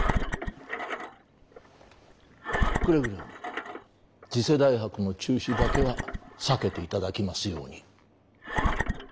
くれぐれも次世代博の中止だけは避けていただきますように。